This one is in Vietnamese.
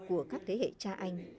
của các thế hệ cha anh